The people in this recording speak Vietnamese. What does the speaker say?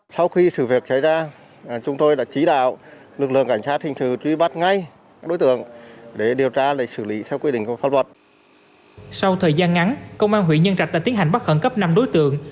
sau thời gian ngắn công an huyện nhân trạch đã tiến hành bắt khẩn cấp năm đối tượng